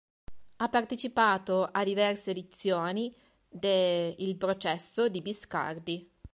Ha partecipato a diverse edizioni de Il processo di Biscardi.